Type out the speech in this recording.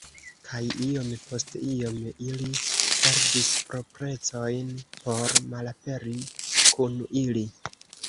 Kaj iom post iom ili perdis proprecojn por malaperi kun ili.